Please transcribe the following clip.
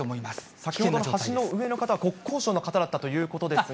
先ほどの橋の上の方は、国交省の方だったということですが。